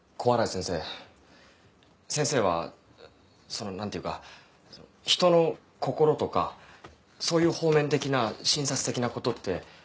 先生はその何ていうか人の心とかそういう方面的な診察的なことって。